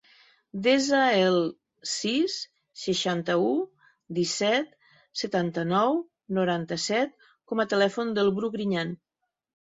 Desa el sis, seixanta-u, disset, setanta-nou, noranta-set com a telèfon del Bru Griñan.